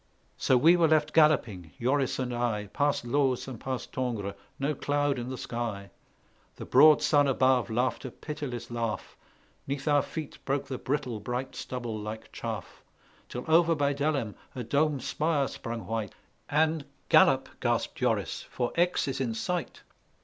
So we were left galloping, Joris and I, Past Looz and past Tongres, no cloud in the sky; The broad sun above laughed a pitiless laugh; 'Neath our feet broke the brittle bright stubble like chaff; Till over by Delhem a dome spire sprung white, And "Gallop," gasped Joris, "for Aix is in sight!